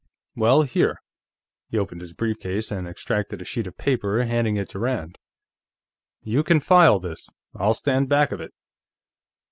"Well, here." He opened his brief case and extracted a sheet of paper, handing it to Rand. "You can file this; I'll stand back of it."